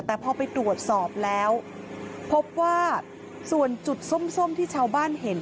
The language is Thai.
แต่พอไปตรวจสอบแล้วพบว่าส่วนจุดส้มที่ชาวบ้านเห็น